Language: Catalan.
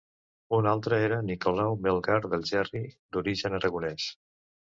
Un altre era Nicolau Melgar d’Algerri d’origen aragonès.